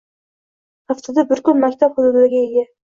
Haftada bir kun maktab hududiga ega.